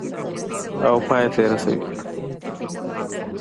او پای ته یې رسوي.